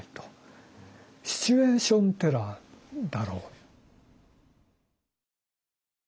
シチュエーション・テラーだろう。